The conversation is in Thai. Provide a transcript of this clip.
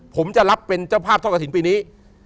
ผมจะรับเป็นเจ้าภาพทอดกระถิ่นปีนี้